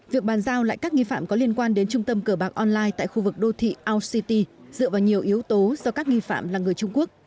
việc bàn giao lại các nghi phạm có liên quan đến trung tâm cửa bạc online tại khu vực đô thị our city dựa vào nhiều yếu tố do các nghi phạm là người trung quốc